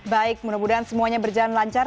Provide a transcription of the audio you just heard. baik mudah mudahan semuanya berjalan lancar